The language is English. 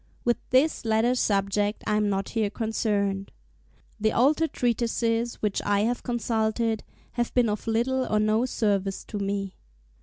With this latter subject I am not here concerned. The older treatises, which I have consulted, have been of little or no service to me.